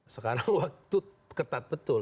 sekarang waktu ketat betul